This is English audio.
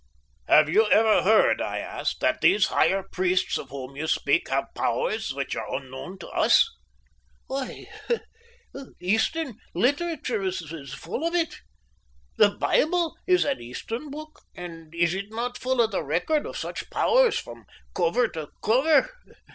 "Have you ever heard," I asked, "that these higher priests of whom you speak have powers which are unknown to us?" "Why, Eastern literature is full of it. The Bible is an Eastern book, and is it not full of the record of such powers from cover to cover?